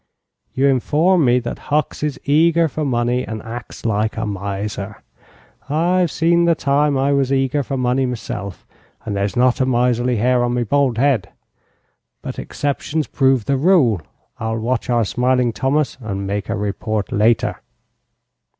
You inform me that Hucks is eager for money and acts like a miser. I've seen the time I was eager for money meself, and there's not a miserly hair on me bald head. But exceptions prove the rule. I'll watch our smiling Thomas and make a report later."